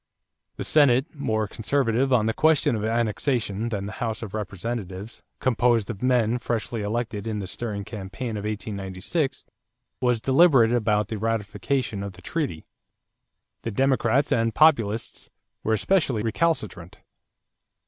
The Senate, more conservative on the question of annexation than the House of Representatives composed of men freshly elected in the stirring campaign of 1896, was deliberate about ratification of the treaty. The Democrats and Populists were especially recalcitrant.